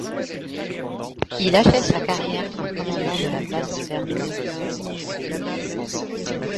Il achève sa carrière comme commandant de la place de Verdun.